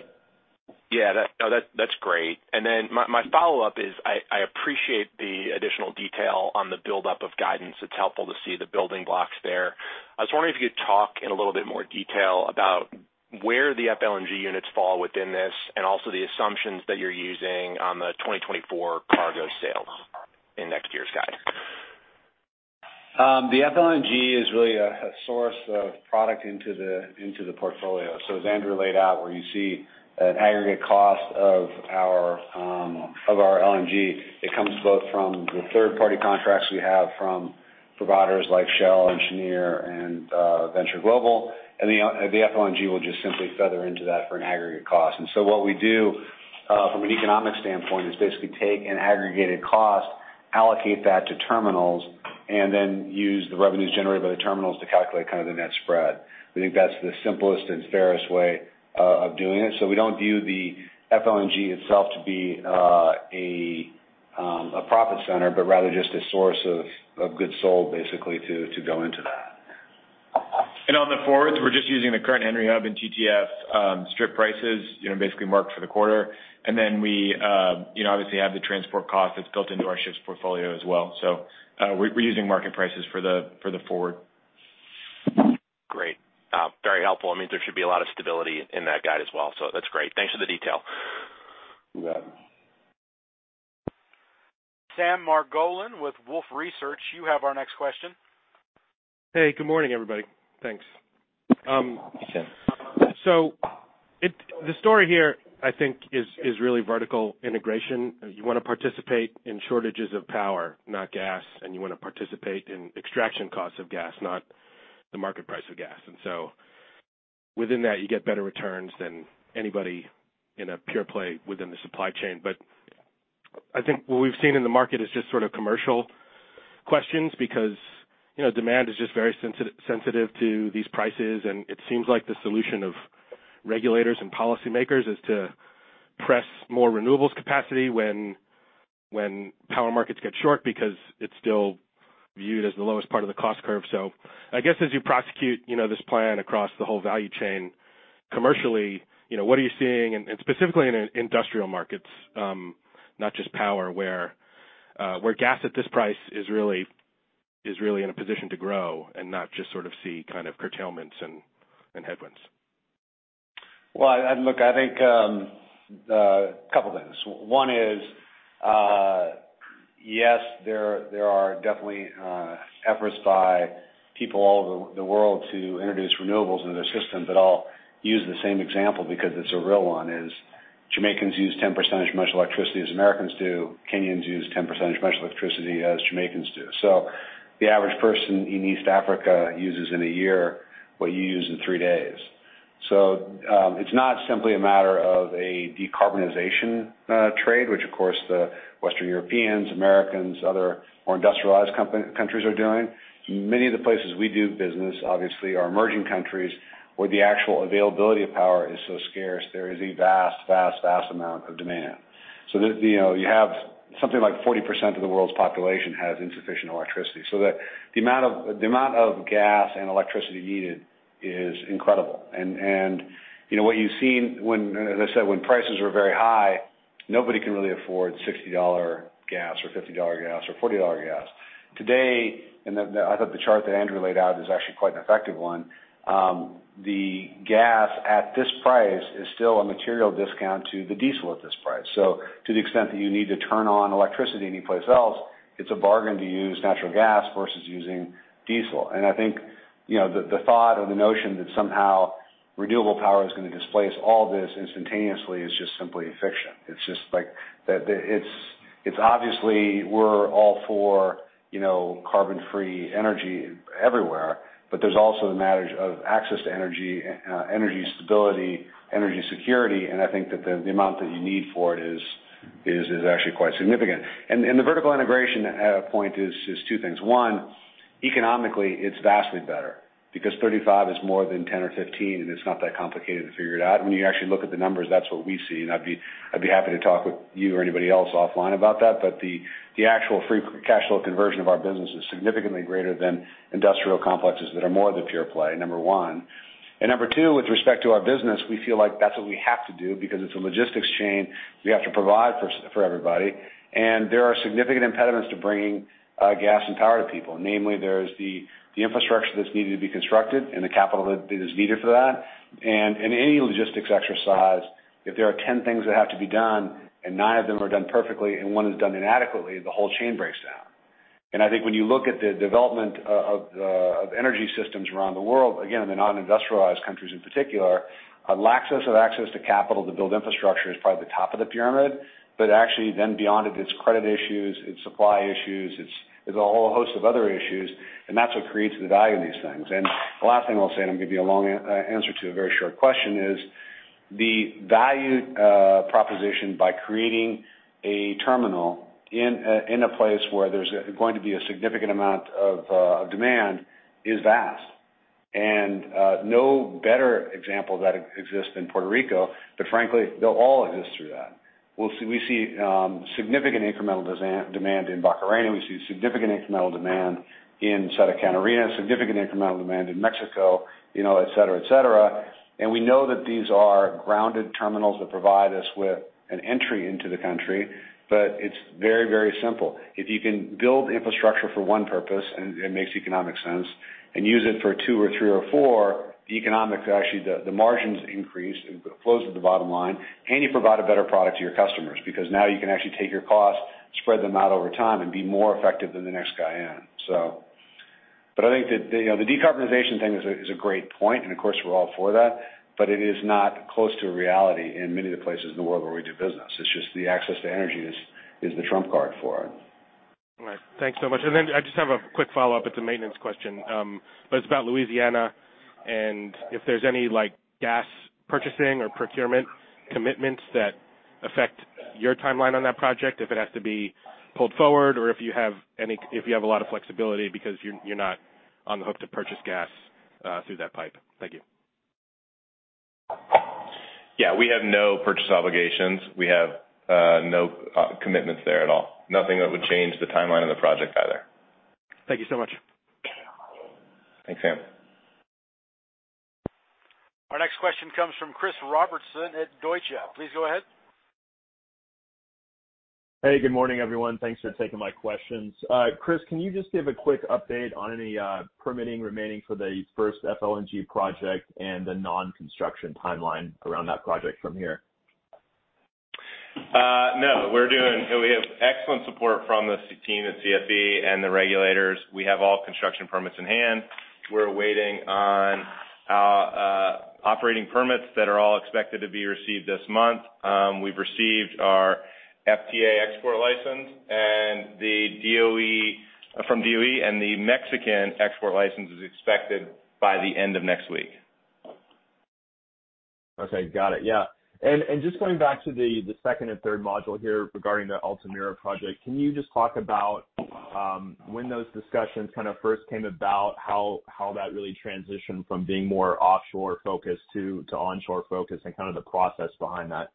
Yeah. No, that's great. Then my follow-up is, I appreciate the additional detail on the buildup of guidance. It's helpful to see the building blocks there. I was wondering if you could talk in a little bit more detail about where the FLNG units fall within this and also the assumptions that you're using on the 2024 cargo sales in next year's guide. The FLNG is really a source of product into the portfolio. As Andrew laid out, where you see an aggregate cost of our LNG, it comes both from the third-party contracts we have from providers like Shell, ENGIE, and Venture Global. The FLNG will just simply feather into that for an aggregate cost. What we do from an economic standpoint is basically take an aggregated cost, allocate that to terminals, and then use the revenues generated by the terminals to calculate kind of the net spread. We think that's the simplest and fairest way of doing it. We don't view the FLNG itself to be a profit center, but rather just a source of goods sold basically to go into that. On the forwards, we're just using the current Henry Hub and TTF strip prices, you know, basically marked for the quarter. Then we, you know, obviously have the transport cost that's built into our ships portfolio as well. We're using market prices for the forward. Great. very helpful. I mean, there should be a lot of stability in that guide as well. That's great. Thanks for the detail. You bet. Sam Margolin with Wolfe Research, you have our next question. Hey, good morning, everybody. Thanks. Hey, Sam. The story here, I think is really vertical integration. You wanna participate in shortages of power, not gas, and you wanna participate in extraction costs of gas, not the market price of gas. Within that, you get better returns than anybody in a pure play within the supply chain. I think what we've seen in the market is just sort of commercial questions because, you know, demand is just very sensitive to these prices, and it seems like the solution of regulators and policymakers is to press more renewables capacity when power markets get short because it's still viewed as the lowest part of the cost curve. I guess as you prosecute, you know, this plan across the whole value chain commercially, you know, what are you seeing and specifically in industrial markets, not just power, where gas at this price is really in a position to grow and not just sort of see kind of curtailments and headwinds? Well, look, I think, a couple things. One is, yes, there are definitely, efforts by people all over the world to introduce renewables into their systems, but I'll use the same example because it's a real one, is Jamaicans use 10% as much electricity as Americans do. Kenyans use 10% as much electricity as Jamaicans do. The average person in East Africa uses in a year what you use in three days. It's not simply a matter of a decarbonization trade, which of course the Western Europeans, Americans, other more industrialized countries are doing. Many of the places we do business, obviously, are emerging countries where the actual availability of power is so scarce. There is a vast amount of demand. You know, you have something like 40% of the world's population has insufficient electricity. The amount of gas and electricity needed is incredible. You know, what you've seen when, as I said, when prices were very high, nobody can really afford $60 gas or $50 gas or $40 gas. Today, the, and I thought the chart that Andrew laid out is actually quite an effective one. The gas at this price is still a material discount to the diesel at this price. To the extent that you need to turn on electricity anyplace else, it's a bargain to use natural gas versus using diesel. I think, you know, the thought or the notion that somehow renewable power is gonna displace all this instantaneously is just simply fiction. It's just like the. It's obviously we're all for, you know, carbon-free energy everywhere, but there's also the matter of access to energy stability, energy security, and I think that the amount that you need for it is actually quite significant. The vertical integration point is two things. One, economically, it's vastly better because 35 is more than 10 or 15, and it's not that complicated to figure it out. When you actually look at the numbers, that's what we see, and I'd be happy to talk with you or anybody else offline about that. The actual free cash flow conversion of our business is significantly greater than industrial complexes that are more the pure play, number one. Number two, with respect to our business, we feel like that's what we have to do because it's a logistics chain we have to provide for everybody. There are significant impediments to bringing gas and power to people. Namely, there's the infrastructure that's needed to be constructed and the capital that is needed for that. In any logistics exercise, if there are 10 things that have to be done, and 9 of them are done perfectly and one is done inadequately, the whole chain breaks down. I think when you look at the development of energy systems around the world, again, in the non-industrialized countries in particular, a lack access of access to capital to build infrastructure is probably the top of the pyramid. Actually then beyond it's credit issues, it's supply issues, it's a whole host of other issues, and that's what creates the value in these things. The last thing I'll say, and I'm giving you a long answer to a very short question, is the value proposition by creating a terminal in a, in a place where there's going to be a significant amount of demand is vast. No better example of that exists than Puerto Rico, but frankly, they'll all exist through that. We see significant incremental demand in Barcarena. We see significant incremental demand in Santa Catarina, significant incremental demand in Mexico, you know, et cetera, et cetera. We know that these are grounded terminals that provide us with an entry into the country, but it's very, very simple. If you can build infrastructure for one purpose and it makes economic sense and use it for two or three or four, the economics are actually the margins increase and flows to the bottom line, and you provide a better product to your customers. Now you can actually take your costs, spread them out over time and be more effective than the next guy in.... I think the, you know, the decarbonization thing is a great point, and of course, we're all for that, but it is not close to reality in many of the places in the world where we do business. It's just the access to energy is the trump card for it. All right. Thanks so much. I just have a quick follow-up. It's a maintenance question. It's about Louisiana and if there's any like gas purchasing or procurement commitments that affect your timeline on that project, if it has to be pulled forward or if you have a lot of flexibility because you're not on the hook to purchase gas through that pipe. Thank you. Yeah. We have no purchase obligations. We have no commitments there at all. Nothing that would change the timeline of the project either. Thank you so much. Thanks, Sam. Our next question comes from Chris Robertson at Deutsche. Please go ahead. Hey, good morning, everyone. Thanks for taking my questions. Chris, can you just give a quick update on any permitting remaining for the first FLNG project and the non-construction timeline around that project from here? No. We have excellent support from the team at CFE and the regulators. We have all construction permits in hand. We're waiting on operating permits that are all expected to be received this month. We've received our FTA export license from DOE, and the Mexican export license is expected by the end of next week. Okay. Got it. Yeah. Just going back to the second and third module here regarding the Altamira project, can you just talk about when those discussions kind of first came about, how that really transitioned from being more offshore-focused to onshore focus and kind of the process behind that?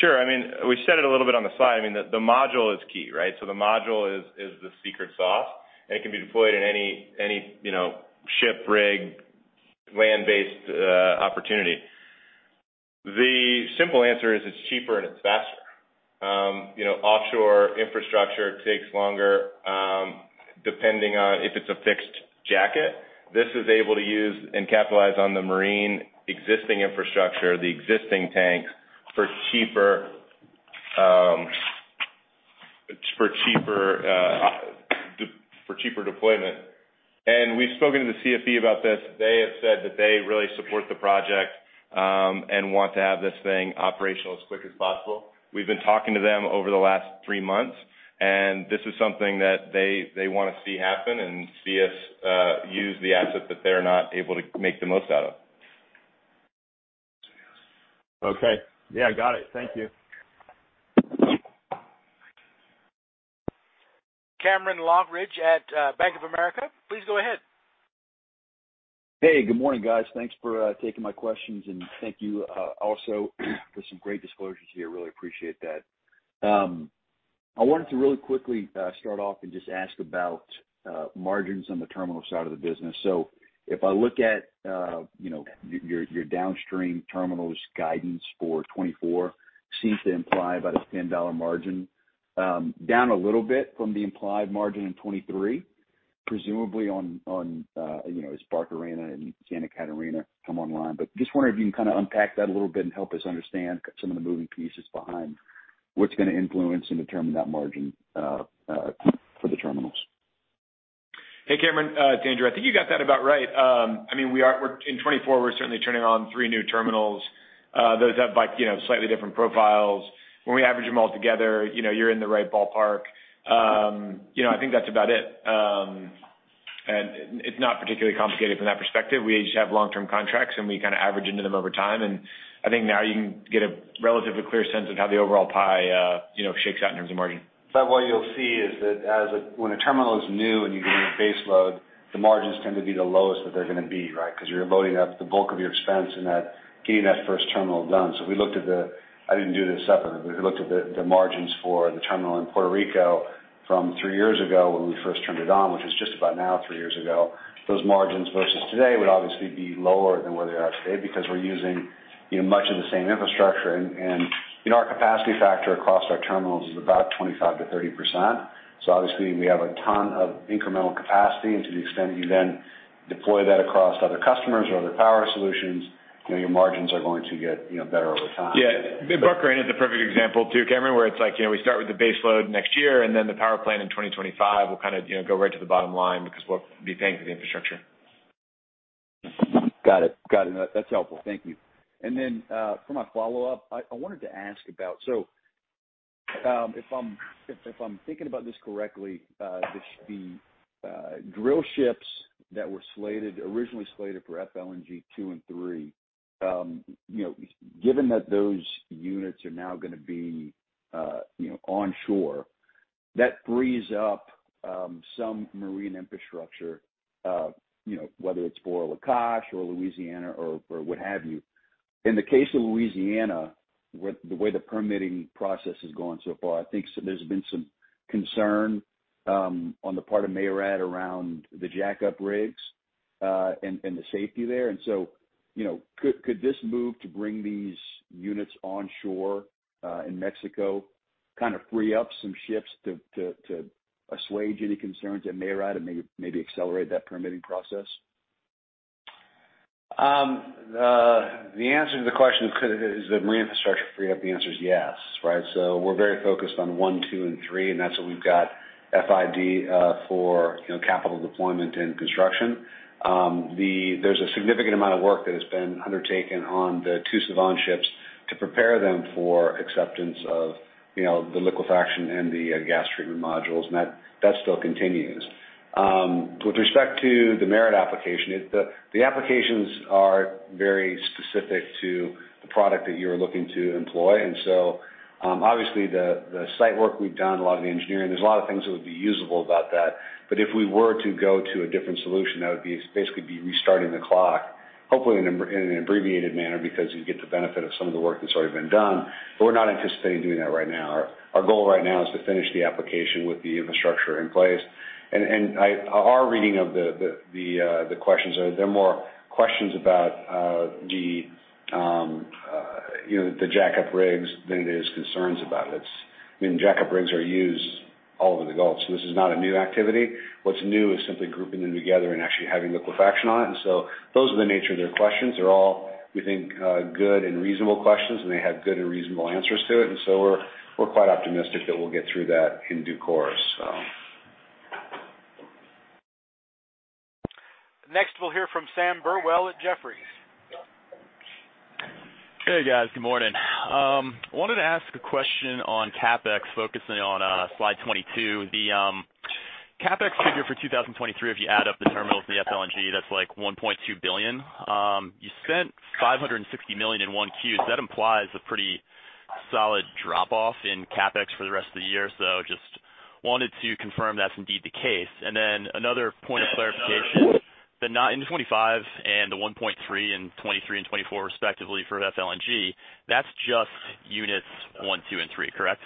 Sure. I mean, we said it a little bit on the side. I mean, the module is key, right? The module is the secret sauce, and it can be deployed in any, you know, ship, rig, land-based opportunity. The simple answer is it's cheaper and it's faster. You know, offshore infrastructure takes longer, depending on if it's a fixed jacket. This is able to use and capitalize on the marine existing infrastructure, the existing tanks for cheaper, for cheaper deployment. We've spoken to the CFE about this. They have said that they really support the project. Want to have this thing operational as quick as possible. We've been talking to them over the last three months. This is something that they wanna see happen and see us use the asset that they're not able to make the most out of. Okay. Yeah, got it. Thank you. Cameron Lochridge at Bank of America, please go ahead. Hey, good morning, guys. Thanks for taking my questions. Thank you also for some great disclosures here. Really appreciate that. I wanted to really quickly start off and just ask about margins on the terminal side of the business. If I look at, you know, your downstream terminals guidance for 2024 seems to imply about a $10 margin, down a little bit from the implied margin in 2023, presumably on, you know, as Barcarena and Santa Catarina come online. Just wondering if you can kinda unpack that a little bit and help us understand some of the moving pieces behind what's gonna influence and determine that margin for the terminals. Hey, Cameron, it's Andrew. I think you got that about right. I mean, we're in 2024, we're certainly turning on three new terminals. Those have like, you know, slightly different profiles. When we average them all together, you know, you're in the right ballpark. You know, I think that's about it. It's not particularly complicated from that perspective. We just have long-term contracts, and we kinda average into them over time. I think now you can get a relatively clear sense of how the overall pie, you know, shakes out in terms of margin. What you'll see is that when a terminal is new and you're doing a base load, the margins tend to be the lowest that they're gonna be, right? 'Cause you're loading up the bulk of your expense in that, getting that first terminal done. We looked at the I didn't do this separately, but we looked at the margins for the terminal in Puerto Rico from three years ago when we first turned it on, which is just about now, three years ago. Those margins versus today would obviously be lower than where they are today because we're using, you know, much of the same infrastructure. Our capacity factor across our terminals is about 25%-30%. Obviously we have a ton of incremental capacity. To the extent you then deploy that across other customers or other power solutions, you know, your margins are going to get, you know, better over time. Yeah. Barcarena is a perfect example too, Cameron, where it's like, you know, we start with the base load next year, and then the power plant in 2025 will kind of, you know, go right to the bottom line because we'll be paying for the infrastructure. Got it. That's helpful. Thank you. For my follow-up, I wanted to ask about. If I'm thinking about this correctly, the drill ships that were originally slated for FLNG two and three, you know, given that those units are now gonna be, you know, onshore, that frees up some marine infrastructure, you know, whether it's for Lakach or Louisiana or what have you. In the case of Louisiana, with the way the permitting process has gone so far, I think there's been some concern on the part of MARAD around the jackup rigs, and the safety there. you know, could this move to bring these units onshore, in Mexico, kind of free up some ships to assuage any concerns at MARAD and maybe accelerate that permitting process? The answer to the question, is the marine infrastructure free up? The answer is yes, right? We're very focused on one, two, and three, and that's what we've got FID for, you know, capital deployment and construction. There's a significant amount of work that has been undertaken on the two Sevan ships to prepare them for acceptance of, you know, the liquefaction and the gas treatment modules, and that still continues. With respect to the MARAD application, the applications are very specific to the product that you're looking to employ. Obviously, the site work we've done, a lot of the engineering, there's a lot of things that would be usable about that. If we were to go to a different solution, that would basically be restarting the clock, hopefully in an abbreviated manner because you get the benefit of some of the work that's already been done. We're not anticipating doing that right now. Our goal right now is to finish the application with the infrastructure in place. Our reading of the questions, they're more questions about, you know, the jackup rigs than it is concerns about it. I mean, jackup rigs are used all over the Gulf, so this is not a new activity. What's new is simply grouping them together and actually having liquefaction on it. Those are the nature of their questions. They're all, we think, good and reasonable questions, and they have good and reasonable answers to it. we're quite optimistic that we'll get through that in due course. Next, we'll hear from Sam Burwell at Jefferies. Hey, guys. Good morning. I wanted to ask a question on CapEx, focusing on, slide 22. The CapEx figure for 2023, if you add up the terminals and the FLNG, that's like $1.2 billion. you spent $560 million in 1Q. That implies a pretty solid drop-off in CapEx for the rest of the year. Just wanted to confirm that's indeed the case. Another point of clarification, the $9 in 2025 and the $1.3 in 2023 and 2024 respectively for FLNG, that's just units one, two, and three, correct?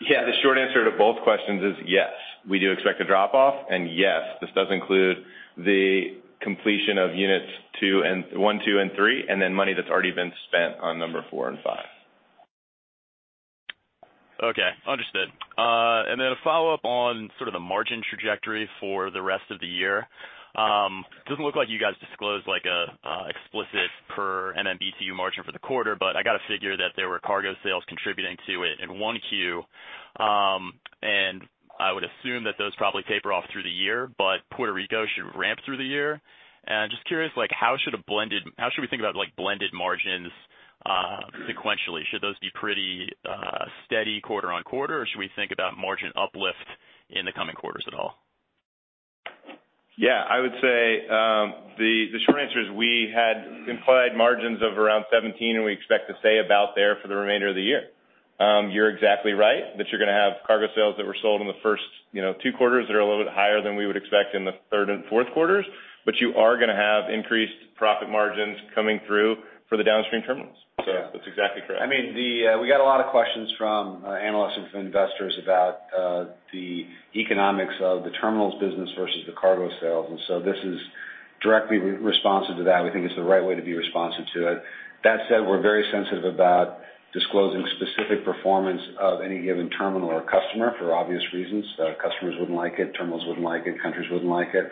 Yeah. The short answer to both questions is yes. We do expect a drop-off. Yes, this does include the completion of units one, two and three, and then money that's already been spent on number four and five. Okay, understood. Then a follow-up on sort of the margin trajectory for the rest of the year. Doesn't look like you guys disclosed like an explicit-Per MMBtu margin for the quarter, but I got to figure that there were cargo sales contributing to it in 1Q. I would assume that those probably taper off through the year, but Puerto Rico should ramp through the year. Just curious, like how should we think about, like, blended margins, sequentially? Should those be pretty steady quarter-on-quarter, or should we think about margin uplift in the coming quarters at all? Yeah, I would say, the short answer is we had implied margins of around 17, and we expect to stay about there for the remainder of the year. You're exactly right, that you're gonna have cargo sales that were sold in the first, you know, two quarters that are a little bit higher than we would expect in the third and fourth quarters, but you are gonna have increased profit margins coming through for the downstream terminals. That's exactly correct. I mean, the, we got a lot of questions from analysts and investors about the economics of the terminals business versus the cargo sales. This is directly re-responsive to that. We think it's the right way to be responsive to it. That said, we're very sensitive about disclosing specific performance of any given terminal or customer for obvious reasons. Customers wouldn't like it, terminals wouldn't like it, countries wouldn't like it.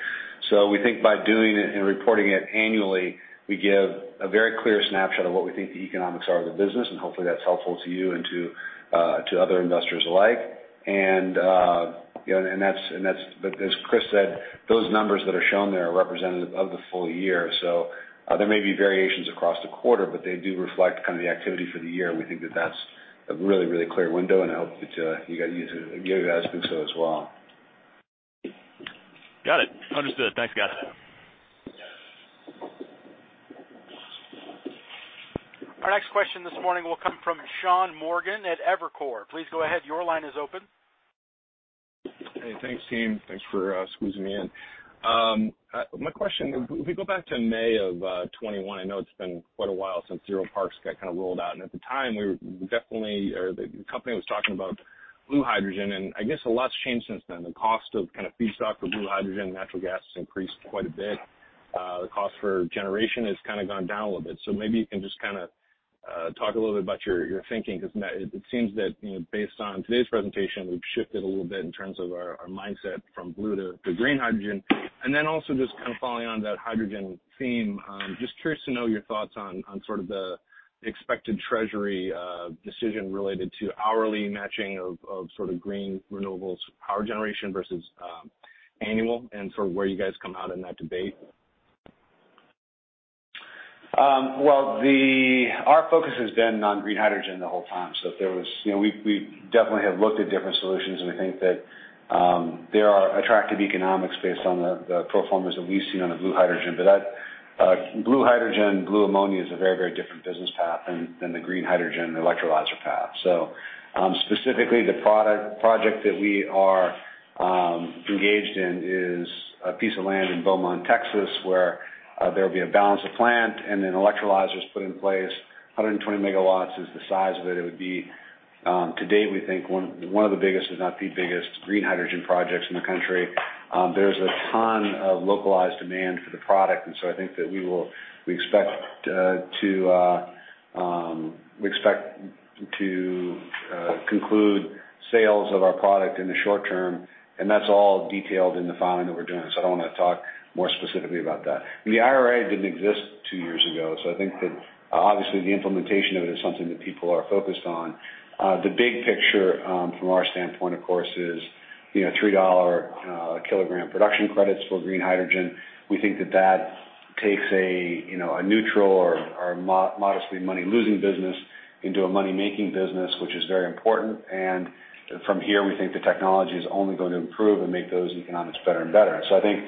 We think by doing it and reporting it annually, we give a very clear snapshot of what we think the economics are of the business, and hopefully that's helpful to you and to other investors alike. You know, as Chris said, those numbers that are shown there are representative of the full year. There may be variations across the quarter, but they do reflect kind of the activity for the year. We think that that's a really, really clear window, and I hope that, you guys think so as well. Got it. Understood. Thanks, guys. Our next question this morning will come from Sean Morgan at Evercore. Please go ahead. Your line is open. Hey, thanks, team. Thanks for squeezing me in. My question, if we go back to May of 2021, I know it's been quite a while since ZeroParks got kind of rolled out. At the time, the company was talking about blue hydrogen, and I guess a lot's changed since then. The cost of kind of feedstock for blue hydrogen and natural gas has increased quite a bit. The cost for generation has kinda gone down a little bit. Maybe you can just kinda talk a little bit about your thinking, 'cause it seems that, you know, based on today's presentation, we've shifted a little bit in terms of our mindset from blue to green hydrogen. Also just kind of following on that hydrogen theme, just curious to know your thoughts on sort of the expected treasury decision related to hourly matching of sort of green renewables power generation versus annual, and sort of where you guys come out in that debate. Well, our focus has been on green hydrogen the whole time. You know, we definitely have looked at different solutions, and we think that there are attractive economics based on the pro formas that we've seen on the blue hydrogen. That blue hydrogen, blue ammonia is a very, very different business path than the green hydrogen electrolyzer path. Specifically, the project that we are engaged in is a piece of land in Beaumont, Texas, where there will be a balance of plant and then electrolyzers put in place. 120 megawatts is the size of it. It would be, to date, we think one of the biggest, if not the biggest green hydrogen projects in the country. There's a ton of localized demand for the product. I think that we expect to conclude sales of our product in the short term. That's all detailed in the filing that we're doing. I don't wanna talk more specifically about that. The IRA didn't exist two years ago. I think that obviously the implementation of it is something that people are focused on. The big picture from our standpoint, of course, is, you know, $3 kilogram production credits for green hydrogen. We think that that takes a, you know, a neutral or modestly money-losing business into a money-making business, which is very important. From here, we think the technology is only going to improve and make those economics better and better. I think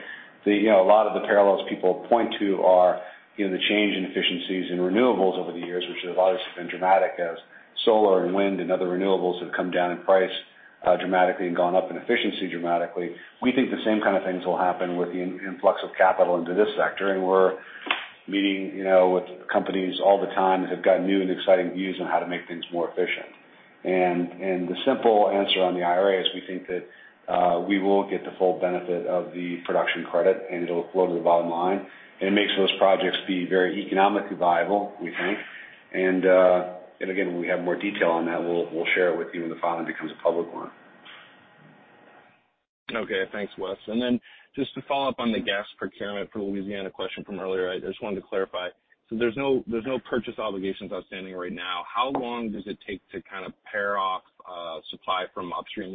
the, you know, a lot of the parallels people point to are, you know, the change in efficiencies in renewables over the years, which have obviously been dramatic as solar and wind and other renewables have come down in price dramatically and gone up in efficiency dramatically. We think the same kind of things will happen with the influx of capital into this sector, and we're meeting, you know, with companies all the time that have got new and exciting views on how to make things more efficient. The simple answer on the IRA is we think that we will get the full benefit of the production credit, and it'll flow to the bottom line. It makes those projects be very economically viable, we think. Again, when we have more detail on that, we'll share it with you when the filing becomes a public one. Okay. Thanks, Wes. Just to follow up on the gas procurement for the Louisiana question from earlier, I just wanted to clarify. There's no purchase obligations outstanding right now. How long does it take to kind of pare off supply from upstream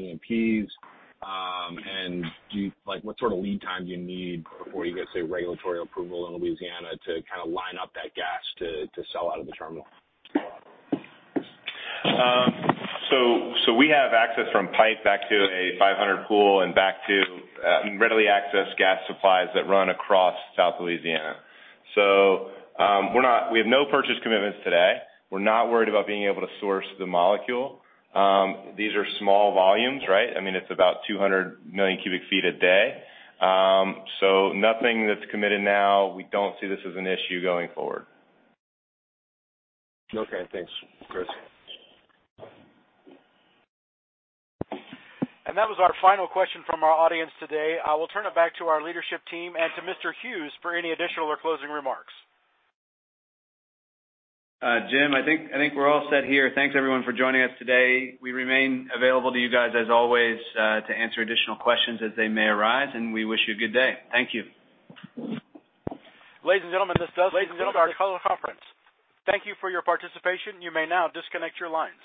E&Ps? Like, what sort of lead time do you need before you get, say, regulatory approval in Louisiana to kinda line up that gas to sell out of the terminal? We have access from pipe back to a 500 pool and back to readily access gas supplies that run across South Louisiana. We have no purchase commitments today. We're not worried about being able to source the molecule. These are small volumes, right? I mean, it's about 200 million cubic feet a day. Nothing that's committed now. We don't see this as an issue going forward. Okay, thanks, Chris. That was our final question from our audience today. I will turn it back to our leadership team and to Mr. Hughes for any additional or closing remarks. Jim, I think we're all set here. Thanks, everyone, for joining us today. We remain available to you guys as always, to answer additional questions as they may arise. We wish you a good day. Thank you. Ladies and gentlemen, this does conclude our call conference. Thank you for your participation. You may now disconnect your lines.